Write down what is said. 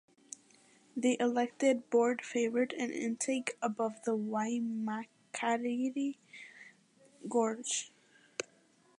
The elected board favoured an intake above the Waimakariri Gorge.